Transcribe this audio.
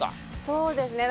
そうですね。